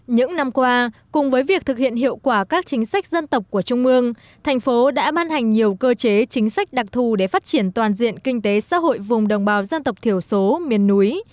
những năm qua cùng với việc thực hiện hiệu quả các chính sách dân tộc của trung mương thành phố đã ban hành nhiều cơ chế chính sách đặc thù để phát triển toàn diện kinh tế xã hội vùng đồng bào dân tộc thiểu số miền núi